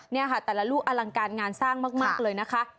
นี่ค่ะแต่ละลูกอลังการงานสร้างมากเลยนะคะ